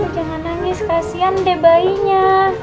jangan nangis kasihan deh bayinya